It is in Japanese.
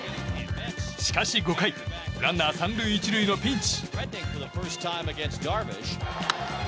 しかし５回ランナー３塁１塁のピンチ。